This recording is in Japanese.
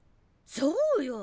そうよ。